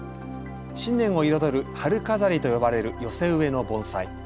新年を彩る春飾りと呼ばれる寄せ植えの盆栽。